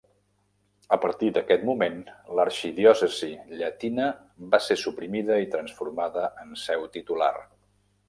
A partir d'aquest moment, l'arxidiòcesi llatina va ser suprimida i transformada en seu titular.